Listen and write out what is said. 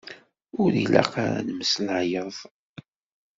Ur ilaq ara ad temmeslayeḍ.